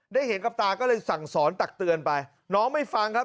ได้เห็นกับตาก็เลยสั่งสอนตักเตือนไปน้องไม่ฟังครับ